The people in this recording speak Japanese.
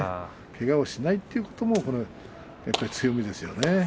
けがをしないというのも強みですね。